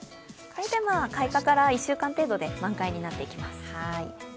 開花から１週間程度で満開になっていきます。